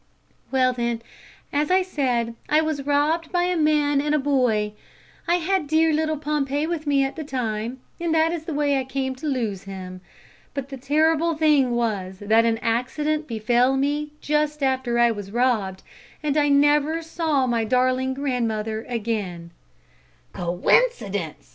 "Well, then, as I said, I was robbed by a man and a boy. I had dear little Pompey with me at the time, and that is the way I came to lose him. But the terrible thing was that an accident befell me just after I was robbed, and I never saw my darling grandmother again " "Coincidence!"